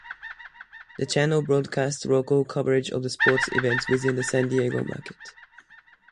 The channel broadcasts local coverage of sports events within the San Diego market.